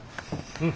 うん。